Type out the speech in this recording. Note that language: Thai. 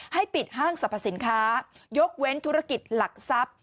ให้ปิดห้างสรรพสินค้ายกเว้นธุรกิจหลักทรัพย์